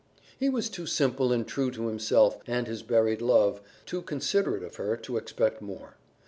He was too simple and true to himself and his buried love, too considerate of her, to expect more.